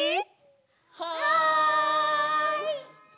はい！